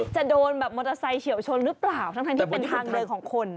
จะโดนแบบมอเตอร์ไซค์เฉียวชนหรือเปล่าทั้งที่เป็นทางเดินของคน